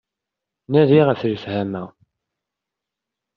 Nadi ɣef lefhama.